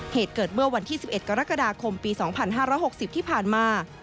เหตุเกิดเมื่อวันที่๑๑กรกฎาคมปี๒๕๖๐ที่ผ่านมา